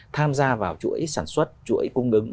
tham gia vào chuỗi sản xuất chuỗi cung ứng